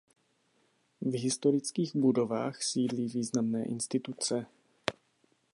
V historických budovách sídlí významné instituce.